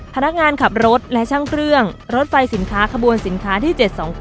พนักงานขับรถและช่างเครื่องรถไฟสินค้าขบวนสินค้าที่๗๒๙